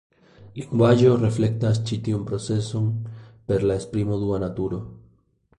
Lingvaĵo reflektas ĉi tiun procezon per la esprimo dua naturo.